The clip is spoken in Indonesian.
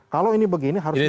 kalau ini begini harus di